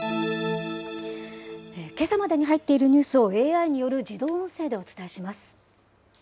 けさまでに入っているニュースをＡＩによる自動音声でお伝えします。